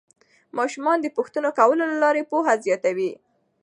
ماشومان د پوښتنو کولو له لارې پوهه زیاتوي